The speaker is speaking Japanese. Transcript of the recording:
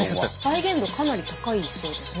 再現度かなり高いそうですね。